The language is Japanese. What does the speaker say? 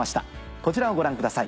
こちらをご覧ください。